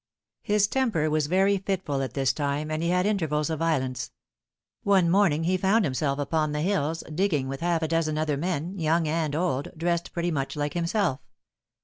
His temper was very fitful at this time, and he had intervals of violence. One morning he found himself upon the hills, digging with half a dozen other men, young and old, dressed pretty much like himself.